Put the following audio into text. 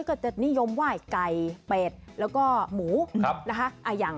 พี่ยังมีความหมายหมดเลย